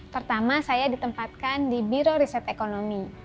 pertama saya ditempatkan di biro riset ekonomi